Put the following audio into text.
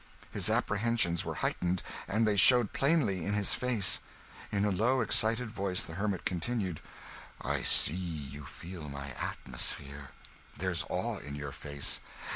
His apprehensions were heightened, and they showed plainly in his face. In a low excited voice the hermit continued "I see you feel my atmosphere! There's awe in your face!